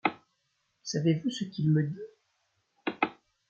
Savez-vous ce qu'il me dit ?